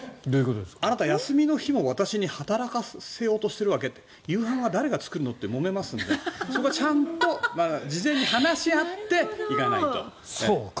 あなた、休みの日も私に働かせようとしているわけ？と夕飯は誰が作るの？ってもめますのでそこはちゃんと事前に話し合って行かないと。